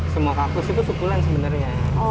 semua kaktus itu suku len sebenarnya